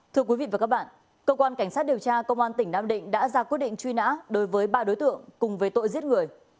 thưa quý vị và các bạn cơ quan cảnh sát điều tra công an tỉnh nam định đã ra quyết định truy nã đối với ba đối tượng cùng về tội giết người